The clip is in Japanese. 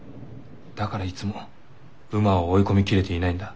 だからいつも馬を追い込みきれていないんだ。